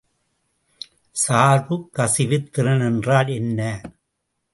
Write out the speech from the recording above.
சார்புக் கசிவுத் திறன் என்றால் என்ன?